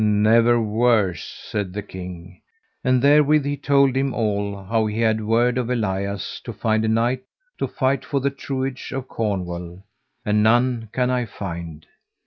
Never worse, said the king. And therewith he told him all, how he had word of Elias to find a knight to fight for the truage of Cornwall, and none can I find.